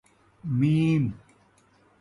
م